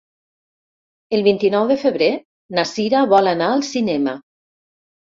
El vint-i-nou de febrer na Sira vol anar al cinema.